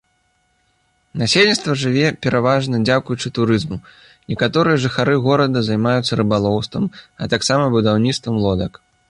Насельніцтва жыве пераважна дзякуючы турызму, некаторыя жыхары горада займаюцца рыбалоўствам, а таксама будаўніцтвам лодак.